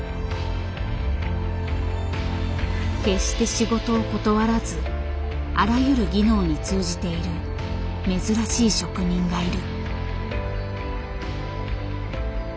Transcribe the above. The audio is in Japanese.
決して仕事を断らずあらゆる技能に通じている珍しい職人がいる。